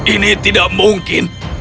ini tidak mungkin